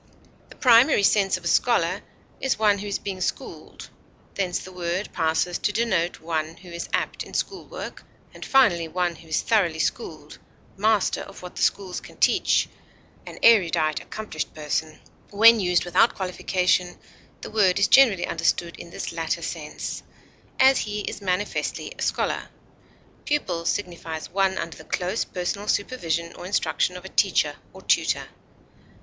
The primary sense of a scholar is one who is being schooled; thence the word passes to denote one who is apt in school work, and finally one who is thoroughly schooled, master of what the schools can teach, an erudite, accomplished person: when used without qualification, the word is generally understood in this latter sense; as, he is manifestly a scholar. Pupil signifies one under the close personal supervision or instruction of a teacher or tutor.